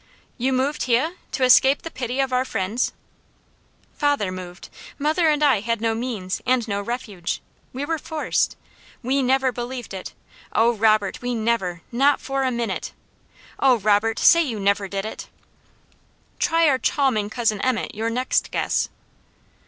"You moved heah! To escape the pity of our friends?" "Father moved! Mother and I had no means, and no refuge. We were forced. We never believed it! Oh Robert, we never not for a minute! Oh Robert, say you never did it!" "Try our chawming cousin Emmet your next guess!"